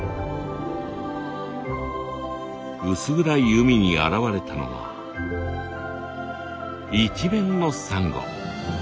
薄暗い海に現れたのは一面のサンゴ。